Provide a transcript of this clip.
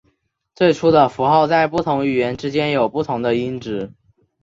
最初的符号在不同语言之间有不同的音值。